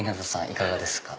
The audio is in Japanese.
いかがですか？